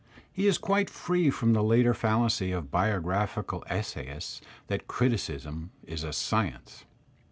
He is quite free from the later fallacy of biographical essayists, that criticism is a science.